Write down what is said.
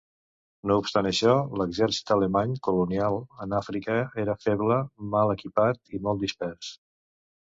No obstant això, l'exèrcit alemany colonial en Àfrica era feble, mal equipat i molt dispers.